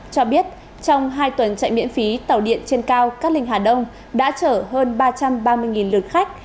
cho biết trong hai tuần chạy miễn phí tàu điện trên cao cát linh hà đông đã chở hơn ba trăm ba mươi lượt khách